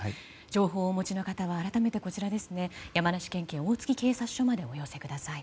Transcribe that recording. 情報をお持ちの方は改めて山梨県警大月警察署までお寄せください。